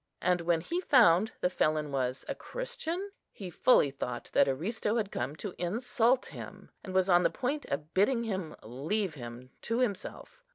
and when he found the felon was a Christian, he fully thought that Aristo had come to insult him, and was on the point of bidding him leave him to himself.